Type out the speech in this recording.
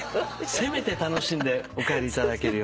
せめて楽しんでお帰りいただけるように。